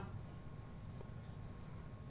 vụ cháy đã khiến ba mẹ con tử vong